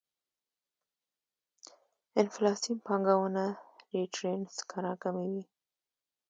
انفلاسیون پانګونه ريټرنز راکموي.